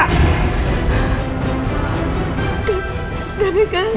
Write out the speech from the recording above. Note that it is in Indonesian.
tapi tapi kan